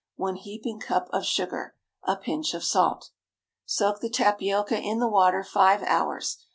1 heaping cup of sugar. A pinch of salt. Soak the tapioca in the water five hours.